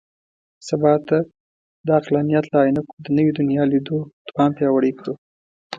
سبا ته د عقلانیت له عینکو د نوي دنیا لیدو توان پیاوړی کړو.